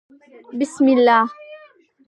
_بسم الله.